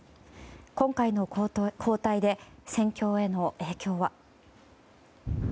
今回の交代で戦況への影響は。